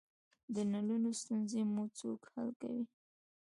د نلونو ستونزې مو څوک حل کوی؟